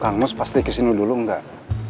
kang mus pasti kesini dulu enggak